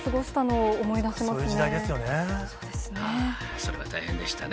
それは大変でしたね。